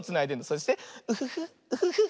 そしてウフフウフフフ。